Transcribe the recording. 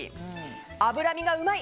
脂身がうまい！